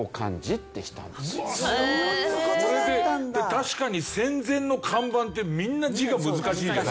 確かに戦前の看板ってみんな字が難しいじゃないですか。